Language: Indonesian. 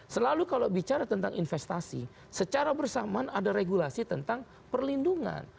selalu kalau bicara tentang investasi secara bersamaan ada regulasi tentang perlindungan